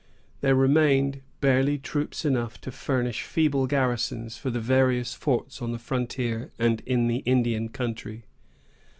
There remained barely troops enough to furnish feeble garrisons for the various forts on the frontier and in the Indian country.